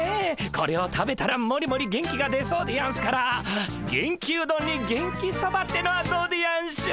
これを食べたらモリモリ元気が出そうでやんすから「元気うどん」に「元気そば」ってのはどうでやんしょ？